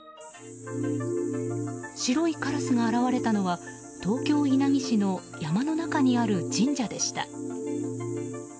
白いカラスが現れたのは東京・稲城市の山の中にある神社でした。